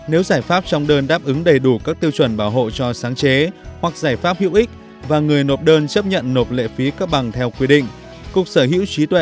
nếu giải pháp trong đơn đáp ứng đầy đủ các tiêu chuẩn bảo hộ cho sáng chế hoặc giải pháp hữu ích và người nộp đơn chấp nhận nộp lệ phí cấp bằng theo quy định